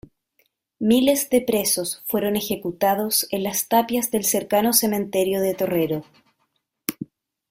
Miles de presos fueron ejecutados en las tapias del cercano cementerio de Torrero.